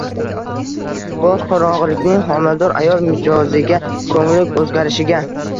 Boshqorong‘ilikning homilador ayol mizojiga, ko‘ngli o‘zgarishiga